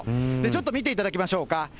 ちょっと見ていただきましょうか。